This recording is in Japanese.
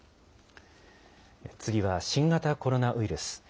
次は新型コロナウイルス。